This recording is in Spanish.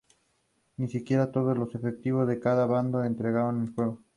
Ni siquiera todos los efectivos de cada bando entraron en juego.